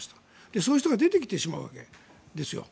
そういう人が出てきてしまうわけです。